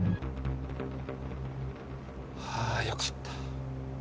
ああよかった。